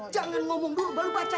jangan ngomong dulu baru baca